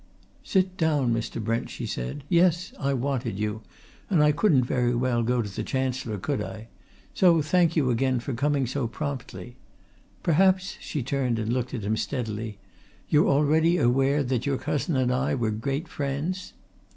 "Sit down, Mr. Brent," she said. "Yes, I wanted you. And I couldn't very well go to the Chancellor, could I? So thank you again for coming so promptly. Perhaps" she turned and looked at him steadily "you're already aware that your cousin and I were great friends?"